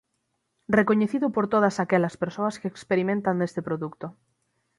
Recoñecido por todas aquelas persoas que experimentan este produto.